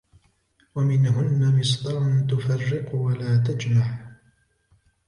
وَمِنْهُنَّ مِصْدَعٌ تُفَرِّقُ وَلَا تَجْمَعُ